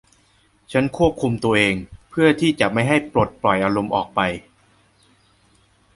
ฉันควบคุมตัวเองเพื่อที่จะไม่ให้ปลดปล่อยอารมณ์ออกไป